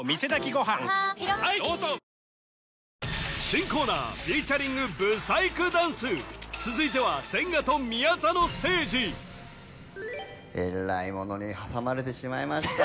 新コーナーフィーチャリング舞祭組ダンス続いては千賀と宮田のステージえらいものに挟まれてしまいました